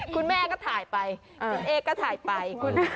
คุณแม่ก็ถ่ายไปคุณเอ๊ก็ถ่ายไป